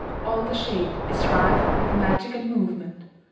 All the shadeIs rife with magic and movement.